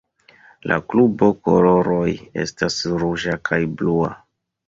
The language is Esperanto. La klubo koloroj estas ruĝa kaj blua.